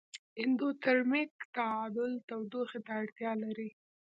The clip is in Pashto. اندوترمیک تعامل تودوخې ته اړتیا لري.